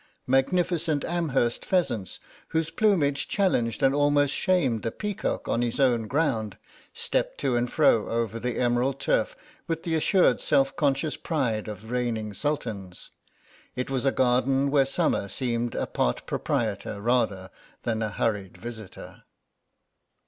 Magnificent Amherst pheasants, whose plumage challenged and almost shamed the peacock on his own ground, stepped to and fro over the emerald turf with the assured self conscious pride of reigning sultans. It was a garden where summer seemed a part proprietor rather than a hurried visitor.